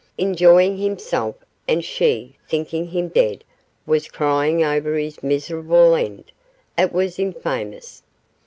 Enjoying himself, and she, thinking him dead, was crying over his miserable end; it was infamous!